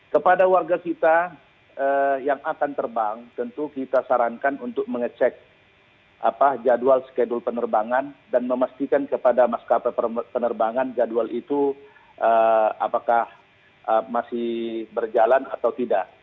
kepada warga kita yang akan terbang tentu kita sarankan untuk mengecek jadwal skedul penerbangan dan memastikan kepada maskapai penerbangan jadwal itu apakah masih berjalan atau tidak